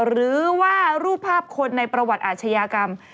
หรือว่ารูปภาพคนในประวัติอาชญากรรม